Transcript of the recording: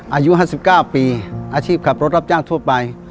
อายุ๕๙ปีอาชีพขับรถรับจ้างทั่วไป